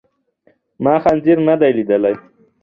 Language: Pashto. ما خنزير ندی لیدلی.